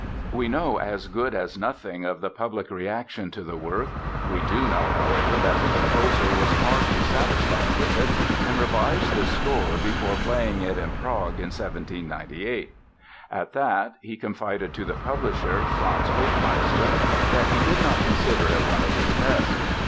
We know as good as nothing of the public reaction to the work. We do know, however, that the composer was far from satisfied with it and revised the score before playing it in Prague in 1798. At that, he confided to the publisher, Franz Hoffmeister, that he "did not consider it one of his best."